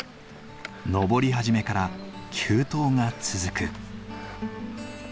登り始めから急登が続く。